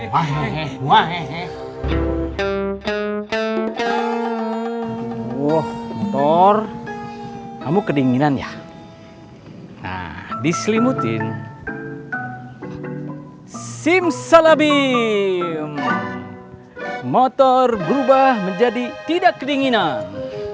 motor kamu kedinginan ya diselimutin simsalabim motor berubah menjadi tidak kedinginan